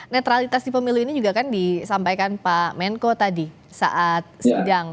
netralitas di pemilu ini juga kan disampaikan pak menko tadi saat sidang